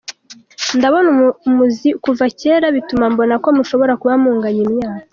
Ndabona umuzi kuva cyera bituma mbona ko mushobora kuba munganya imyaka!